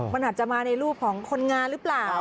มันอาจจะมาในรูปของคนงานหรือเปล่า